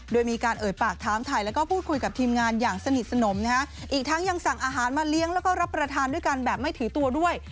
โดยมีการเอ่ยปากถามถ่ายแล้วก็พูดคุยกับทีมงานอย่างสนิทสนมนะฮะอีกทั้งยังสั่งอาหารมาเลี้ยงแล้วก็รับประทานด้วยกันแบบไม่ถือตัวด้วย